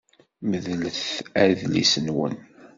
Medlet adlis-nwen.